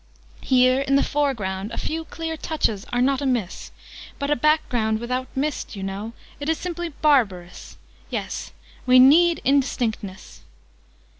Here, in the foreground, a few clear touches are not amiss: but a back ground without mist, you know! It is simply barbarous! Yes, we need indistinctness!"